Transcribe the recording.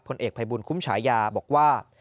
เอกภัยบุญคุ้มฉายาบอกว่า